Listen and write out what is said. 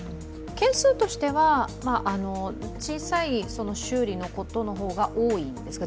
件数としては、小さい修理のことの方が多いんですか？